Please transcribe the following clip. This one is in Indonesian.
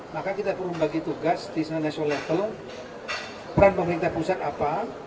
maka kita perlu membagi tugas di sana national level peran pemerintah pusat apa